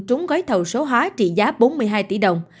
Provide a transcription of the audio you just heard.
trúng gói thầu số hóa trị giá bốn mươi hai tỷ đồng